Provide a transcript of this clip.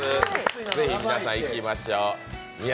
ぜひ皆さん行きましょう。